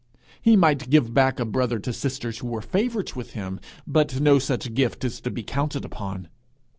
He might give back a brother to sisters who were favourites with him, but no such gift is to be counted upon?